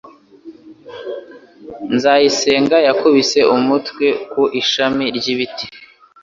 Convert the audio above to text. Nzayisenga yakubise umutwe ku ishami ry’ibiti.